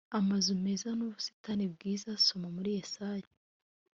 amazu meza n ubusitani bwiza soma muri yesaya